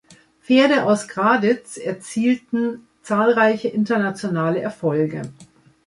Pferde aus Graditz erzielten zahlreiche internationale Erfolge.